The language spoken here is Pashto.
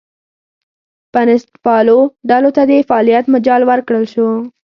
بنسټپالو ډلو ته د فعالیت مجال ورکړل شو.